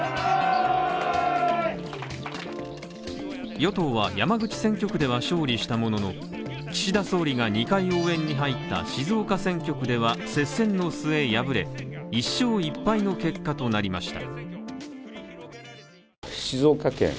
与党は山口選挙区では勝利したものの岸田総理が２回応援に入った静岡選挙区では接戦の末敗れ、１勝１敗の結果になりました。